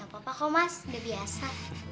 apa apa kok mas udah biasa